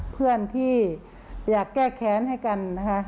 เพื่อนที่อยากแก้แค้นให้กันนะคะ